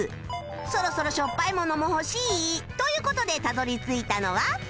そろそろしょっぱいものも欲しい！という事でたどり着いたのは